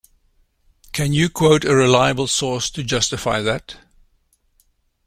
Can you quote a reliable source to justify that?